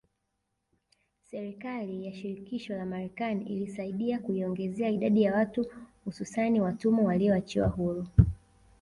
Serikali ya shirikisho la marekani ilisaidia kuiongezea idadi ya watu hususani watumwa walioachiwa huru